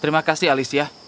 terima kasih alicia